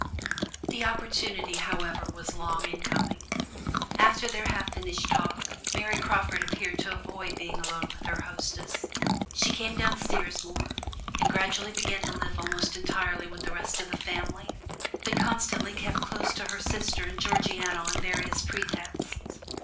The opportunity, however, was long in coming. After their half finished talk, Mary Crawford appeared to avoid being alone with her hostess. She came downstairs more, and gradually began to live almost entirely with the rest of the family, but constantly kept close to her sister and Georgiana on various pretexts.